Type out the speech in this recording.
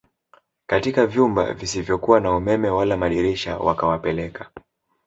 katika vyumba visivyokuwa na umeme wala madirisha wakawapeleka